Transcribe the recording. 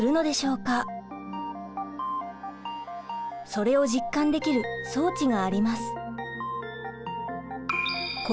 それを実感できる装置があります。